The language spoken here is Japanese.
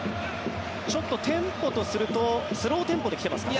ちょっとテンポとするとスローテンポで来ていますかね